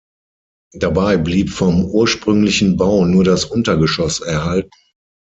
Dabei blieb vom ursprünglichen Bau nur das Untergeschoss erhalten.